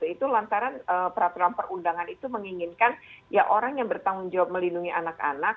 itu lantaran peraturan perundangan itu menginginkan ya orang yang bertanggung jawab melindungi anak anak